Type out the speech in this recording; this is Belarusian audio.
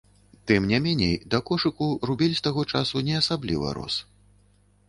Тым не меней, да кошыку рубель з таго часу не асабліва рос.